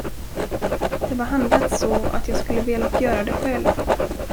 Det var handlat så, att jag skulle ha velat göra det själv.